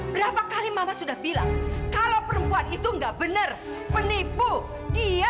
berapa kali mama sudah bilang kalau perempuan itu gak berhasil kamu harus ikut dia